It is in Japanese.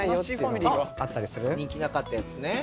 人気なかったやつね。